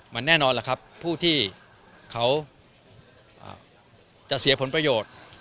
มันแน่นอนล่ะครับผู้ที่เขาจะเสียผลประโยชน์